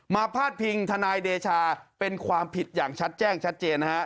พาดพิงทนายเดชาเป็นความผิดอย่างชัดแจ้งชัดเจนนะฮะ